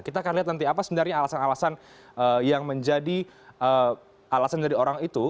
kita akan lihat nanti apa sebenarnya alasan alasan yang menjadi alasan dari orang itu